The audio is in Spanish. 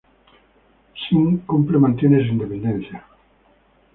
Sí Cumple mantiene su independencia.